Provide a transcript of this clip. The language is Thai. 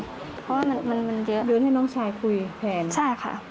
โดนให้น้องชายคุยแผน